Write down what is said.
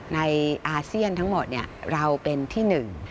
อาเซียนทั้งหมดเราเป็นที่หนึ่ง